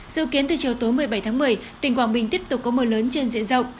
dự kiến từ chiều tối một mươi bảy tháng một mươi tỉnh quảng bình tiếp tục có mưa lớn trên diện rộng